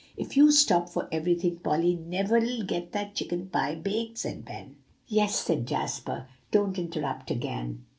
"If you stop for everything, Polly never'll get that chicken pie baked," said Ben. "Yes," said Jasper; "now don't interrupt again.